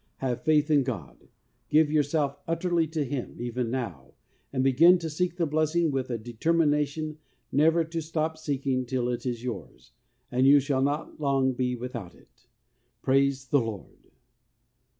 Have faith in God, give yourself utterly to Him, even now, and begin to seek the blessing with a determination never to stop seeking till it is yours, and you shall not be long without it. Praise the Lord